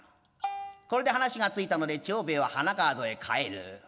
これで話が付いたので長兵衛は花川戸へ帰る。